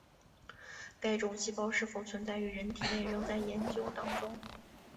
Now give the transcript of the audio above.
该种细胞是否存在于人体内仍在研究当中。